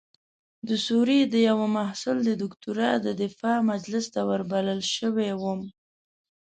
د سوریې د یوه محصل د دکتورا د دفاع مجلس ته وربلل شوی وم.